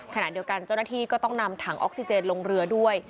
ขณะเดียวกันเจ้าหน้าที่ก็ต้องนำถังออกซิเจนลงเรือด้วย